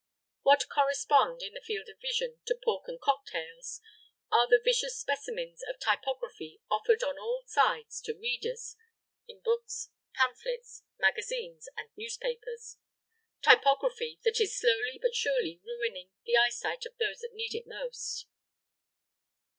What correspond, in the field of vision, to pork and cocktails, are the vicious specimens of typography offered on all sides to readers in books, pamphlets, magazines, and newspapers typography that is slowly but surely ruining the eyesight of those that need it most.